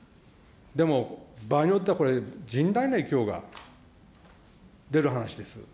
でも、場合によっては、これ、甚大な影響が出る話です。